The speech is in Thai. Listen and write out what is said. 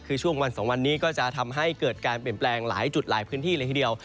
คือช่วงวัน๒วันนี้ก็จะทำให้เกิดการเปลี่ยนแปลงหลายจุดหลายพื้นที่เลยทีเดียว